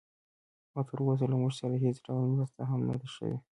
او تراوسه له موږ سره هېڅ ډول مرسته هم نه ده شوې